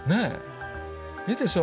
いいでしょ